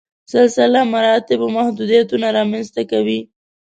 سلسله مراتبو محدودیتونه رامنځته کوي.